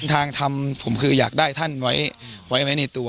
ทางทำผมคืออยากได้ท่านไว้ในตัว